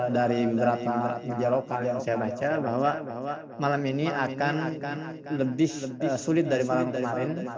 dari beberapa meja lokal yang saya baca bahwa malam ini akan nih same ekor lebih susu